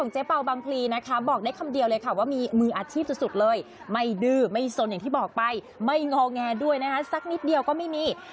โอ้โหไม่ตกใดคนเลยนะคุณคุณ